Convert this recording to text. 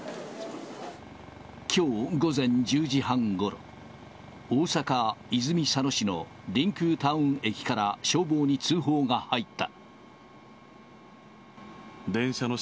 きょう午前１０時半ごろ、大阪・泉佐野市のりんくうタウン駅から消防に通報が入った。